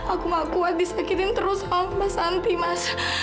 aku gak kuat disakitin terus sama mbak santi mas